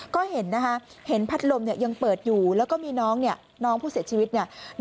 ก็เห็นนะคะเห็นพัดลมเนี่ยยังเปิดอยู่แล้วก็มีน้องเนี่ยน้องผู้เสียชีวิตเนี่ย